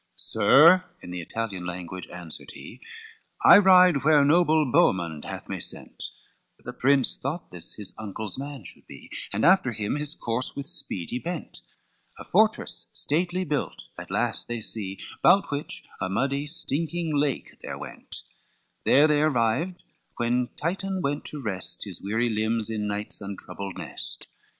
XXVIII "Sir," in the Italian language answered he, "I ride where noble Boemond hath me sent:" The prince thought this his uncle's man should be, And after him his course with speed he bent, A fortress stately built at last they see, Bout which a muddy stinking lake there went, There they arrived when Titan went to rest His weary limbs in night's untroubled nest.